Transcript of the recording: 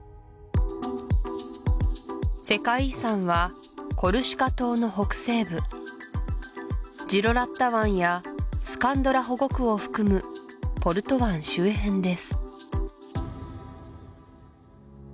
世界遺産はコルシカ島の北西部ジロラッタ湾やスカンドラ保護区を含むポルト湾周辺です